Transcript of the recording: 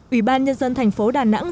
ủy ban nhân dân thành phố đà nẵng